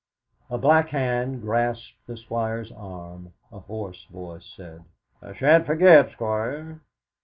A black hand grasped the Squire's arm, a hoarse voice said: "I shan't forget, Squire!"